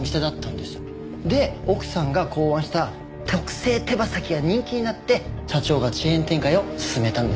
で奥さんが考案した特製手羽先が人気になって社長がチェーン展開を進めたんです。